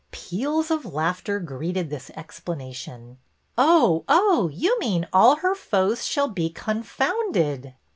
Peals of laughter greeted this explanation. ''Oh, oh! You mean 'All her foes shall be confounded